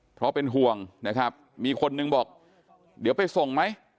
เพราะเป็นห่วงนะครับมีคนนึงบอกเดี๋ยวไปส่งไหม